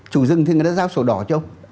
chủ rừng thì người ta giao sổ đỏ cho người ta